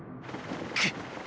くっ！